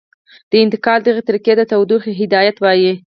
د انتقال دغې طریقې ته تودوخې هدایت وايي.